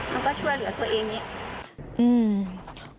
มันก็ช่วยเหลือตัวเอง